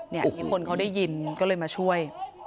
นี่คนเขาได้ยินก็เลยมาช่วย